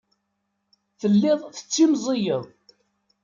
Telliḍ tettimẓiyeḍ.